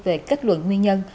về kết luận nguyên nhân